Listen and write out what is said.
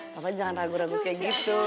papa jangan ragu ragu kayak gitu